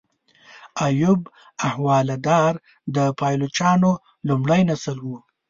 ایوب احوالدار د پایلوچانو لومړی نسل و.